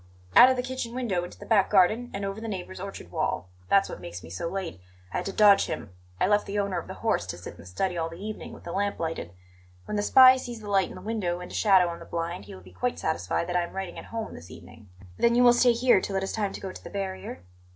"Out of the kitchen window into the back garden and over the neighbour's orchard wall; that's what makes me so late; I had to dodge him. I left the owner of the horse to sit in the study all the evening with the lamp lighted. When the spy sees the light in the window and a shadow on the blind he will be quite satisfied that I am writing at home this evening." "Then you will stay here till it is time to go to the barrier?"